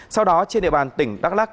sau đó trên địa bàn tỉnh đắk lắc